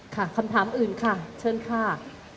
คำถามอื่นค่ะเชิญค่ะ